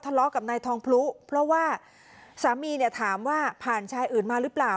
ทะเลาะกับนายทองพลุเพราะว่าสามีเนี่ยถามว่าผ่านชายอื่นมาหรือเปล่า